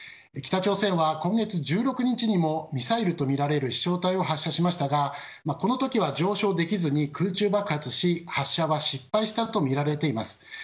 北朝鮮は今月１６日にもミサイルとみられる飛翔体を発射しましたがこの時は上昇できずに空中爆発し発射は失敗したとみられています。